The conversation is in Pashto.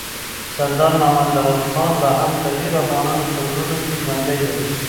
سردار محمد داود خان لا هم د ډېرو افغانانو په زړونو کي ژوندی دی.